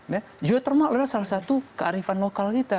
nah geothermal adalah salah satu kearifan lokal kita